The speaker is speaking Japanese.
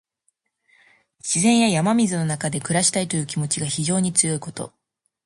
自然や山水の中で暮らしたいという気持ちが非常に強いこと。